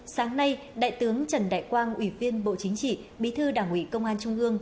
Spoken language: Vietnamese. sáng nay đại tướng trần đại quang ủy viên bộ chính trị bí thư đảng ủy công an trung ương